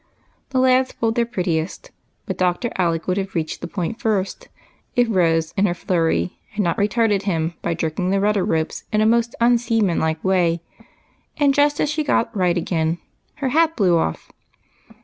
The lads pulled their prettiest, but Dr. Alec would have reached the Point first, if Rose, in her flurry, had not retarded him by jerking the rudder ropes in a most unseamanlike way, and just as she got right again her hat blew off.